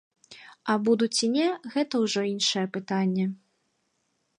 А буду ці не, гэта ўжо іншае пытанне.